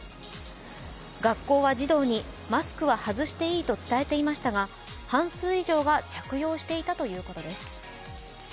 学校は児童にマスクは外していいと伝えていましたが半数以上が着用していたということです。